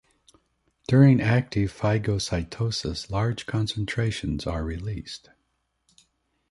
During active phagocytosis, large concentrations are released.